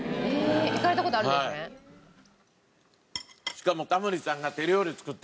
しかもタモリさんがえ！